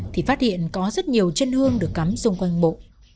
thì phát hiện có rất nhiều chân hương được cắm xung quanh mộ